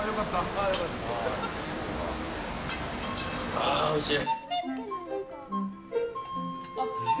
ああ、おいしい。